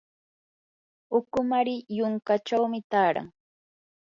ukumari yunkachawmi taaran.